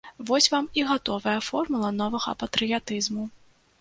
Вось вам і гатовая формула новага патрыятызму.